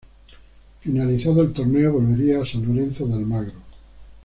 Finalizado el torneo, volvería a San Lorenzo de Almagro.